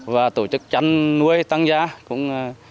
và tổ chức chăn nuôi tăng gia cũng